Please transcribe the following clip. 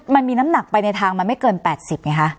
มันมีน้ำหนักไปในทางมันไม่เกิน๘๐ไงคะ